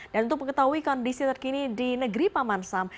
dan untuk mengetahui kondisi terkini di negeri paman sam